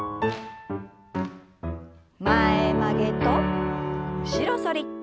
前曲げと後ろ反り。